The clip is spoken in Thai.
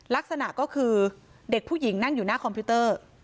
ลักษณะก็คือเด็กผู้หญิงนั่งอยู่หน้าคอมพิวเตอร์